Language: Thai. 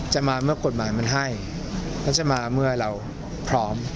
จะมาเมื่อกฎหมายมันให้แล้วจะมาเมื่อเราพร้อม